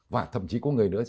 và thậm chí có người nữa